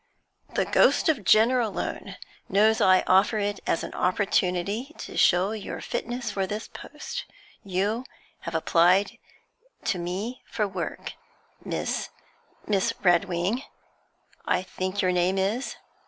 'The ghost of Jenner alone knows I offer it as an opportunity to show your fitness for this post. You have applied to me for work, Miss Miss Redwing, I think your name is?'